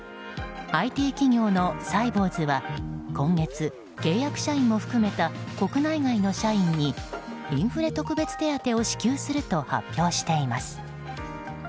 ＩＴ企業のサイボウズは今月契約社員も含めた国内外の社員にインフレ特別手当を支給すると発表しています。